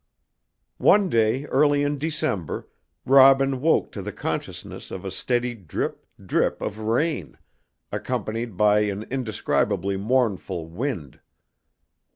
One day early in December, Robin woke to the consciousness of a steady drip, drip of rain, accompanied by an indescribably mournful wind.